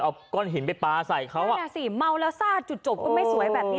เอาก้อนหินไปปลาใส่เขาอ่ะสิเมาแล้วซาดจุดจบก็ไม่สวยแบบนี้